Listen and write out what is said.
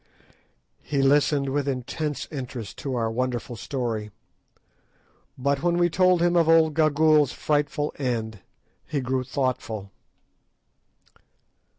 He listened with intense interest to our wonderful story; but when we told him of old Gagool's frightful end he grew thoughtful.